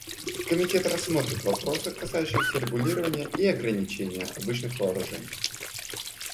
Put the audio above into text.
Комитет рассмотрит вопросы, касающиеся регулирования и ограничения обычных вооружений.